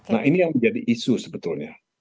nah ini yang menjadi isu sebetulnya